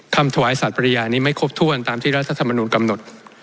ถวายสัตว์ปริญญานี้ไม่ครบถ้วนตามที่รัฐธรรมนุนกำหนด